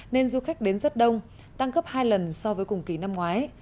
nên du khách đến rất đông tăng gấp hai lần so với cùng kỳ năm ngoái